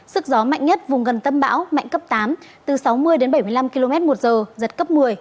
sức gió mạnh nhất vùng gần tâm bão mạnh cấp tám từ sáu mươi đến bảy mươi năm km một giờ giật cấp một mươi